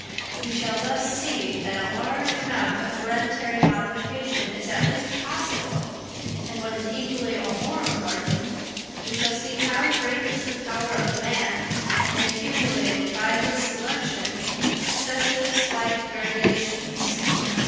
We shall thus see that a large amount of hereditary modification is at least possible; and, what is equally or more important, we shall see how great is the power of man in accumulating by his selection successive slight variations.